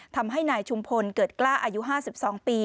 ทำให้นายชุมพลเกิดกล้าอายุ๕๒ปี